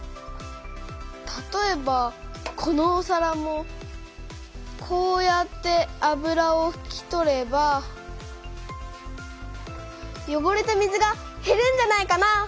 たとえばこのおさらもこうやって油をふき取ればよごれた水がへるんじゃないかな？